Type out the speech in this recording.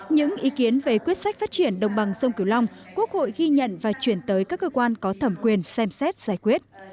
những ý kiến về quyết sách phát triển đồng bằng sông cửu long quốc hội ghi nhận và chuyển tới các cơ quan có thẩm quyền xem xét giải quyết